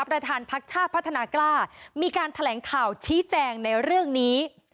ประธานพักชาติพัฒนากล้ามีการแถลงข่าวชี้แจงในเรื่องนี้